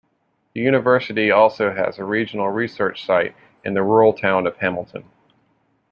The university also has a regional research site in the rural town of Hamilton.